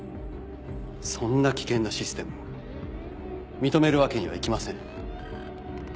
そんな危険なシステムを認めるわけにはいきません。